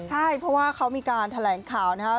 ใช่เพราะว่าเขามีการแถลงข่าวนะครับ